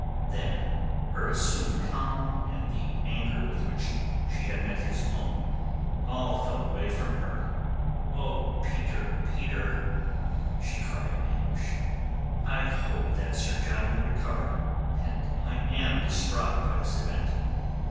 Then her assumed calm and the anger with which she had met his own all fell away from her. "Oh, Peter, Peter," she cried in anguish, "I hope that Sir John will recover. I am distraught by this event.